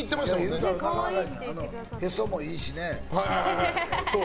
へそもいいしね。